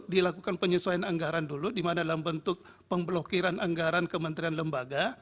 dilakukan penyesuaian anggaran dulu di mana dalam bentuk pemblokiran anggaran kementerian lembaga